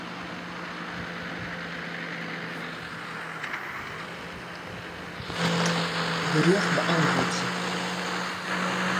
Berjocht beäntwurdzje.